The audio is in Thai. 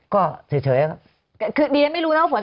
ก็เฉยครับ